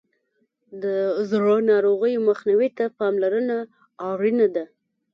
د زړه ناروغیو مخنیوي ته پاملرنه اړینه ده.